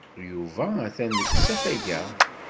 Yuba atan deg usafag-a.